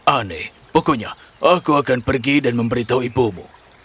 aneh pokoknya aku akan pergi dan memberitahu ibumu